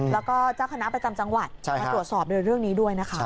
แล้วก็เจ้าคณะประจำจังหวัดมาตรวจสอบในเรื่องนี้ด้วยนะคะ